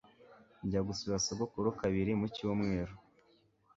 Njya gusura sogokuru kabiri mu cyumweru.